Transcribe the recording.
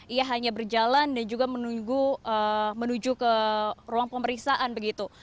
ia hanya berjalan dan juga menuju ke ruang pemeriksaan begitu